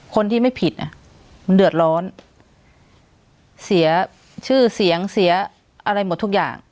คนที่ไม่ผิดอ่ะมันเดือดร้อนเสียชื่อเสียงเสียอะไรหมดทุกอย่าง